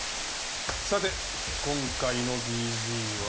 さて今回のＢＧは。